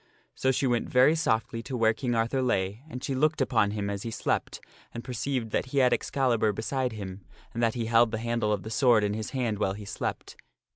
So she went very softly to where King Arthur lay, and she looked upon him as he slept and perceived that he had Excalibur beside him and that he held the handle Morgana of the sword in his hand while he slept.